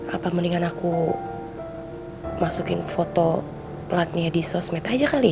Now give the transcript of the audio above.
apa mendingan aku masukin foto platnya di sosmed aja kali ya